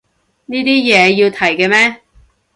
呢啲嘢要提嘅咩